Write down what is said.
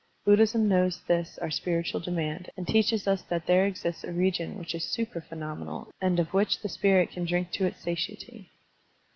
Buddhism knows this our spiritual demand and teaches us that there exists a region which is supra phenomenal and of which the spirit can drink to its satiety.